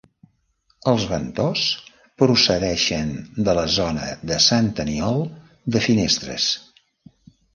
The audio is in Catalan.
Els Ventós procedeixen de la zona de Sant Aniol de Finestres.